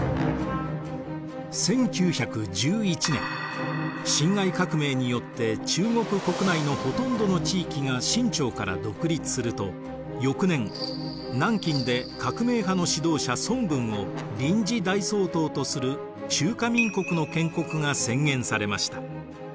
１９１１年辛亥革命によって中国国内のほとんどの地域が清朝から独立すると翌年南京で革命派の指導者孫文を臨時大総統とする中華民国の建国が宣言されました。